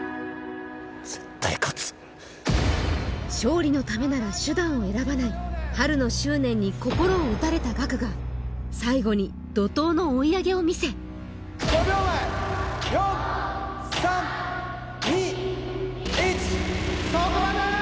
絶対勝つ勝利のためなら手段を選ばないハルの執念に心を打たれたガクが最後に怒とうの追い上げを見せ５秒前４３２１そこまで！